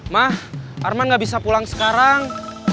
mah arman gak bisa pulang sekarang